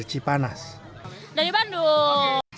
dan juga dari bandung